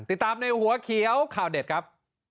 ติดตามในหัวเขียวข่าวเด็ดครับ